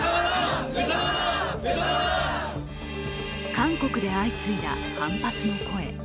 韓国で相次いだ反発の声。